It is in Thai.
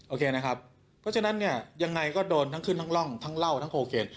นะครับเพราะฉะนั้นเนี่ยยังไงก็โดนทั้งขึ้นทั้งร่องทั้งเหล้าทั้งโคเคน